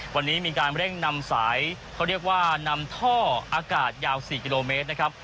วันนี้มีการเร่งนำสายเขาเรียกว่านำท่ออากาศยาว๔กิโลเมตรนะครับ